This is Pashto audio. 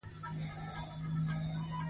د خبرو له لارې باید مشکل حل شي.